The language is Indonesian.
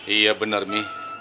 iya bener mi